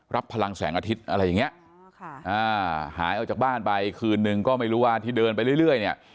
พลังแสงอาทิตย์อะไรอย่างเงี้ยหายออกจากบ้านไปคืนนึงก็ไม่รู้ว่าที่เดินไปเรื่อยเนี่ย